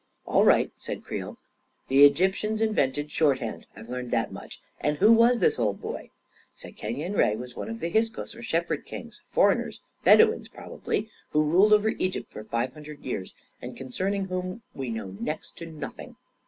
"All right," said Creel. "The Egyptians in vented shorthand — I've learned that much. And who was this old boy? "" Sekenyen Re was one of the Hyksos, or shep herd kings — foreigners — Bedouins, probably — who ruled over Egypt for five hundred years, and concerning whom we know next to nothing.